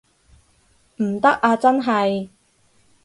唔得啊真係